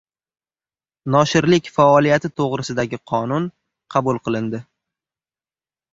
“Noshirlik faoliyati to‘g‘risida”gi Qonun qabul qilindi